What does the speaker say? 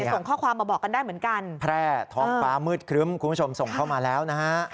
ส่งข้อความมาบอกกันได้เหมือนกันแพร่ท้องฟ้ามืดครึ้มคุณผู้ชมส่งเข้ามาแล้วนะฮะ